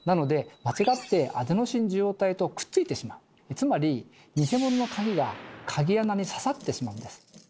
つまり偽物の鍵が鍵穴にささってしまうんです。